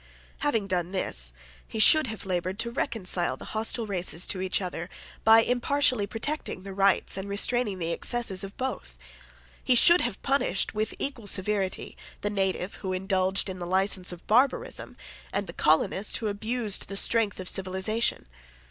Having done this, he should have laboured to reconcile the hostile races to each other by impartially protecting the rights and restraining the excesses of both. He should have punished with equal severity the native who indulged in the license of barbarism, and the colonist who abused the strength of civilisation.